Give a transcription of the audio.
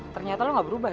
ternyata lo gak berubah ya